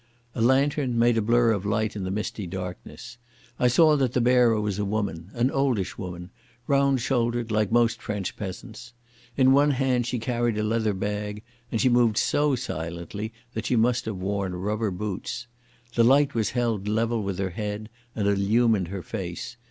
A lantern made a blur of light in the misty darkness. I saw that the bearer was a woman, an oldish woman, round shouldered like most French peasants. In one hand she carried a leather bag, and she moved so silently that she must have worn rubber boots. The light was held level with her head and illumined her face.